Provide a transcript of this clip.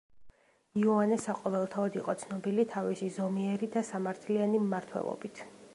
იოანე საყოველთაოდ იყო ცნობილი თავისი ზომიერი და სამართლიანი მმართველობით.